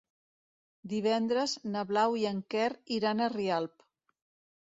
Divendres na Blau i en Quer iran a Rialp.